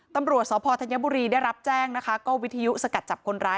ตำรวจสพธัญบุรีได้รับแจ้งนะคะก็วิทยุสกัดจับคนร้าย